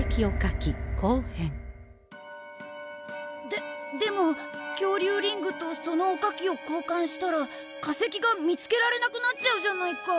ででもきょうりゅうリングとそのおかきをこうかんしたら化石が見つけられなくなっちゃうじゃないか。